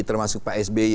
termasuk pak sby